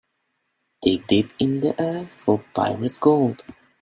Dig deep in the earth for pirate's gold.